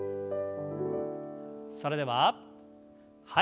それでははい。